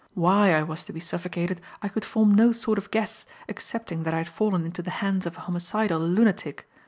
Why I was to be suffocated, I could form no sort of guess excepting that I had fallen into the hands of a homicidal lunatic.